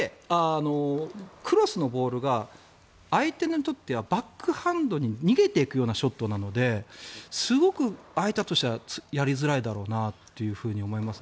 クロスのボールが相手にとってはバックハンドに逃げていくようなショットなのですごく相手としてはやりづらいなと思います。